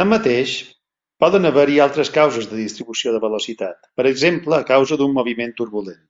Tanmateix, poden haver-hi altres causes de distribució de velocitat, per exemple a causa d'un moviment turbulent.